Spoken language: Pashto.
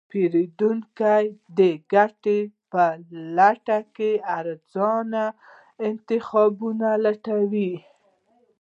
پیرودونکی د ګټې په لټه کې ارزانه انتخابونه لټوي.